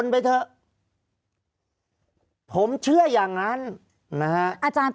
ภารกิจสรรค์ภารกิจสรรค์